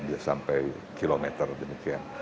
bisa sampai kilometer demikian